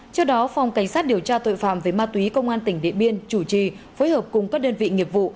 trước đó phòng cảnh sát điều tra tội phạm về ma túy công an tỉnh điện biên chủ trì phối hợp cùng các đơn vị nghiệp vụ